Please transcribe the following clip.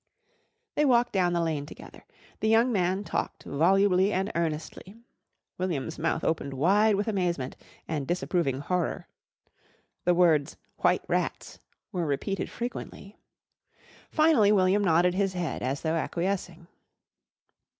They walked down the lane together. The young man talked volubly and earnestly. William's mouth opened wide with amazement and disapproving horror. The words "white rats" were repeated frequently. Finally William nodded his head, as though acquiescing.